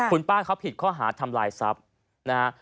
คุณป้าเขาผิดข้อหาทำลายทรัพย์นะฮะ